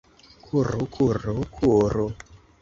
Kuru, kuru, kuru...